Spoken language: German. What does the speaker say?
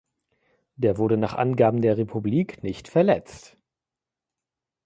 Der wurde nach Angaben der „Republik“ nicht verletzt.